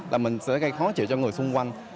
là mình sẽ gây khó chịu cho người xung quanh